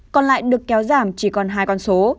còn lại được kéo giảm chỉ còn hai con số